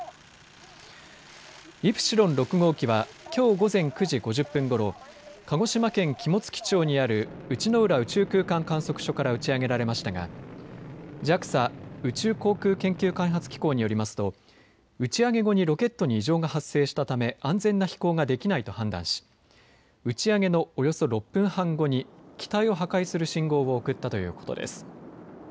イプシロン６号機はきょう午前９時５０分ごろ、鹿児島県肝付町にある内之浦宇宙空間観測所から打ち上げられましたがＪＡＸＡ・宇宙航空研究開発機構によりますと打ち上げ後にロケットに異常が発生したため安全な飛行ができないと判断し打ち上げのおよそ６分半後に機体を破壊する信号を送ったということです。